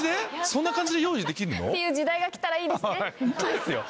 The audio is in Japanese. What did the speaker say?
そんな感じで用意できるの？っていう時代が来たらいいですね。